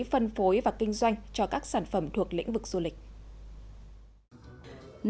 phân phối và kinh doanh cho các sản phẩm thuộc lĩnh vực du lịch